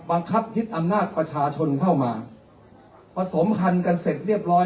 บังคับยึดอำนาจประชาชนเข้ามาผสมพันธุ์กันเสร็จเรียบร้อย